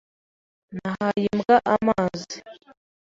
Nahaye imbwa amazi.